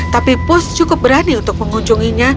tapi pus cukup berani untuk mengunjunginya